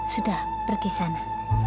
sudah pergi sana